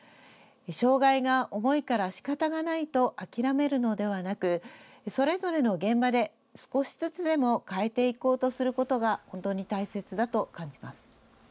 障害が重いからしかたがないと諦めるのではなくそれぞれの現場で少しずつでも変えていこうとすることが本当に大切だと感じます。